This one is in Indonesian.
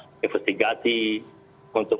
jadi sudah seperti yang sudah saya katakan